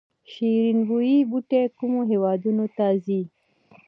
شیرین بویې بوټی کومو هیوادونو ته ځي؟